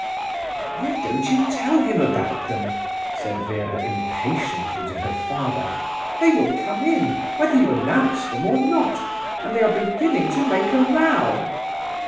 "Why don't you tell him about them?" said Vera impatiently to her father. "They will come in, whether you announce them or not, and they are beginning to make a row.